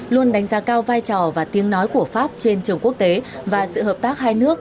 luôn đánh giá cao vai trò và tiếng nói của pháp trên trường quốc tế và sự hợp tác hai nước